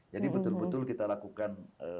jadi betul betul kita lakukan